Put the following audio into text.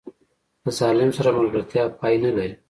له ظالم سره ملګرتیا پای نه لري.